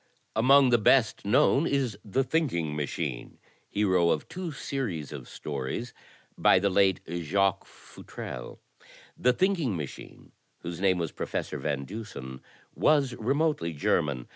Among the best known is The Thinking Machine, hero of two series of stories by the late Jacques Futrelle. THE DETECTIVE 79 The Thinking Machine whose name was Professor Van Dusen was remotely German.